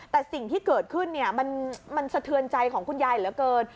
แต่สิ่งที่เกิดขึ้นมันสะเทือนใจของคุณยายเหลือเกิน